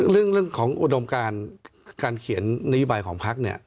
เรื่องของอุดมการการเขียนนโยบายของพักเนี่ย